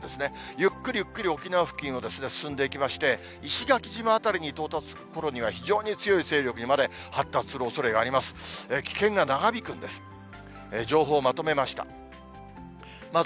ゆっくりゆっくり沖縄付近を進んでいきまして、石垣島辺りに到達するころには、非常に強い勢力にまで発達するおそれがあります。